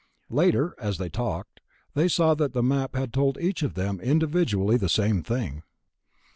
Later, as they talked, they saw that the map had told each of them, individually, the same thing.